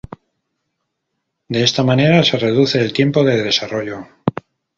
De esta manera se reduce el tiempo de desarrollo.